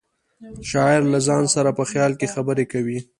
شاعر له ځان سره په خیال کې خبرې کوي